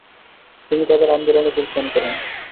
তিনি তাদের আন্দোলনে যোগদান করেন।